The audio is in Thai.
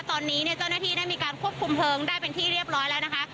ตอนนี้เนี่ยเจ้าหน้าที่ได้มีการควบคุมเพลิงได้เป็นที่เรียบร้อยแล้วนะคะ